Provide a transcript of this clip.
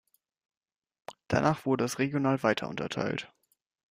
Danach wurde es regional weiter unterteilt.